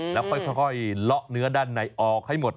แล้วค่อยเลาะเนื้อด้านในออกให้หมด